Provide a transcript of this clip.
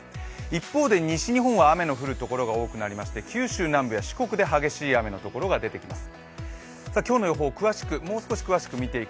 一方で、西日本は雨の降るところが多くなりまして九州南部や四国で激しい雨の所が出てきます。